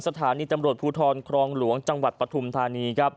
สถานีตำรวจภูทรครองหลวงจังหวัดปฐุมธานีครับ